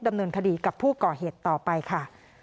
ดำเนินคดีกับผู้ก่อเหตุต่อไปค่ะ